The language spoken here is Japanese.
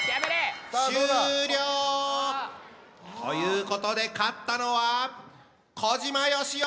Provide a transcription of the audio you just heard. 終了！ということで勝ったのは小島よしお！